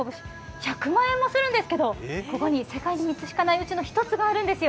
１００万円もするんですけど、ここに世界に一つしかないものがあるんですよ。